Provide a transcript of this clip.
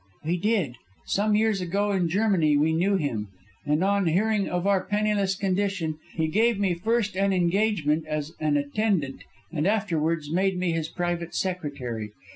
"We did. Some years ago in Germany we knew him, and on hearing of our penniless condition he gave me first an engagement as an attendant, and afterwards made me his private secretary.